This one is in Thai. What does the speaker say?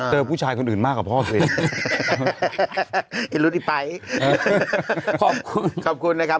ผู้ชายคนอื่นมากกว่าพ่อสิอิรุดิไปขอบคุณขอบคุณนะครับ